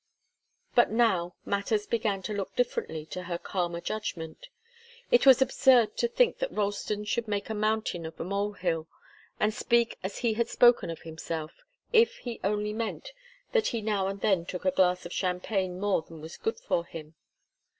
But now, matters began to look differently to her calmer judgment. It was absurd to think that Ralston should make a mountain of a mole hill, and speak as he had spoken of himself, if he only meant that he now and then took a glass of champagne more than was good for him.